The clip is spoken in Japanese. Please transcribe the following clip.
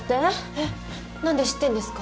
えっなんで知ってるんですか？